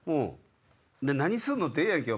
「何すんの？」ってええやんけ。